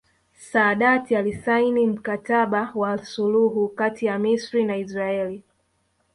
Saadat alisaini Mkataba wa suluhu kati ya Misri na Israeli